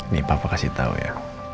nih papa kasih tau ya